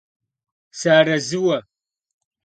Sıarezıue!